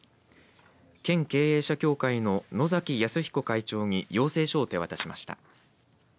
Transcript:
県経営者協会の野崎泰彦会長に要請書を手渡しました。